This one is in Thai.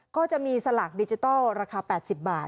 ก็จะมีสลากดิจิทัลราคา๘๐บาท